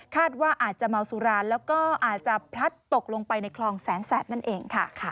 ว่าอาจจะเมาสุราแล้วก็อาจจะพลัดตกลงไปในคลองแสนแสบนั่นเองค่ะ